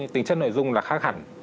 tính chất nội dung là khác hẳn